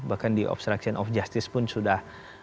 bahkan di obstruction of justice pun sudah